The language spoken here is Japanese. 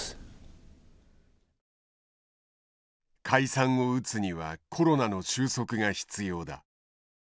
解散を打つにはコロナの収束が必要だ。